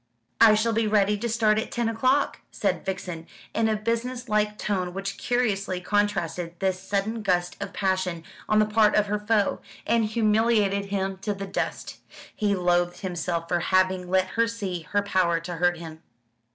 "I shall be ready to start at ten o'clock," said Vixen, in a business like tone which curiously contrasted this sudden gust of passion on the part of her foe, and humiliated him to the dust. He loathed himself for having let her see her power to hurt him.